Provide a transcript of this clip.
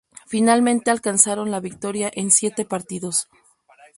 Finalmente alcanzaron la victoria en siete partidos.